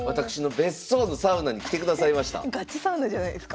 ガチサウナじゃないですか。